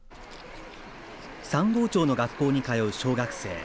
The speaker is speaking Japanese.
三郷町の学校に通う小学生。